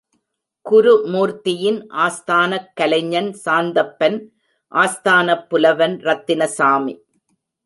குருமூர்த்தியின் ஆஸ்தானக் கலைஞன் சாந்தப்பன் ஆஸ்தானப் புலவன் ரத்தினசாமி.